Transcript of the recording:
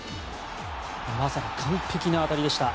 まさに完璧な当たりでした。